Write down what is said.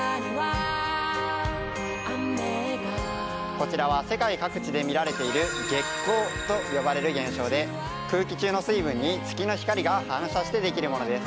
こちらは世界各地で見られている月虹と呼ばれる現象で空気中の水分に月の光が反射して出来るものです。